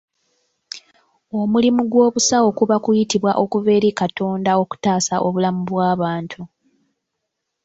Omulimu gw'obusawo kuba kuyitibwa okuva eri Katonda okutaasa obulamu bw'abantu.